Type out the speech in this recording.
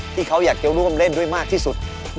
ที่เขาอยากจะร่วมเล่นด้วยมากที่สุด